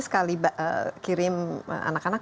sekali kirim anak anak